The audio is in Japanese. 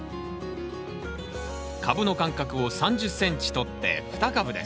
株の間隔を３０ｃｍとって２株です。